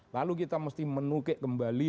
lalu kita mesti menukik kembali